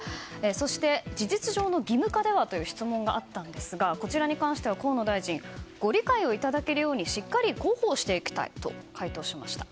そして、事実上の義務化ではという質問に関してはこちらに関しては、河野大臣はご理解をいただけるようにしっかり広報していきたいと回答しました。